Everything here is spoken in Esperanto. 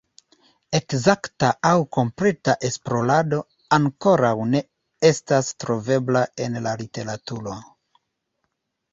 Ekzakta aŭ kompleta esplorado ankoraŭ ne estas trovebla en la literaturo.